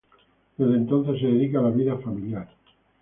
Desde entonces se dedica a la vida familiar.